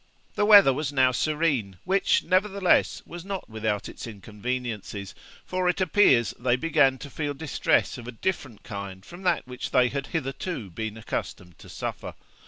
The weather was now serene, which, nevertheless, was not without its inconveniences, for, it appears, they began to feel distress of a different kind from that which they had hitherto been accustomed to suffer.